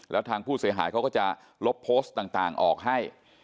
แล้วทางผู้เสียหายเขาก็จะลบโพสต์ต่างออกให้